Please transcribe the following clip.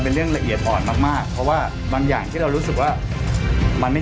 ปิดปากกับภาคภูมิ